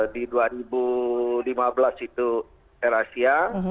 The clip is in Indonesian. di dua ribu lima belas itu air asia